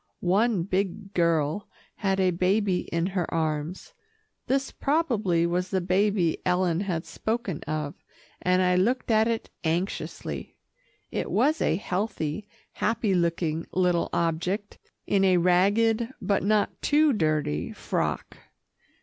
One big girl had a baby in her arms. This probably was the baby Ellen had spoken of, and I looked at it anxiously. It was a healthy, happy looking little object in a ragged, but not too dirty frock.